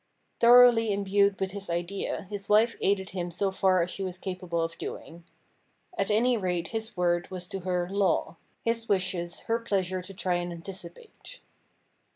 Thoroughly imbued with his idea his wife aided him so far as she was capable of doing. At any rate his word was to her law : his wishes, her pleasure to try and anticipate.